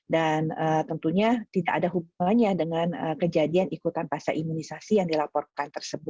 dan tentunya tidak ada hubungannya dengan kejadian ikutan pasca imunisasi yang dilaporkan tersebut